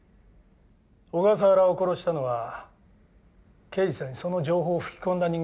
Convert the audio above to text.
小笠原を殺したのは刑事さんにその情報を吹き込んだ人間ですよきっと。